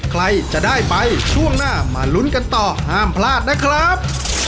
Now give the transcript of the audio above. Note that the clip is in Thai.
ใครจะได้ไปช่วงหน้ามาลุ้นกันต่อห้ามพลาดนะครับ